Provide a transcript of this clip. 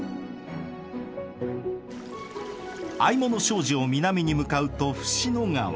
相物小路を南に向かうと椹野川。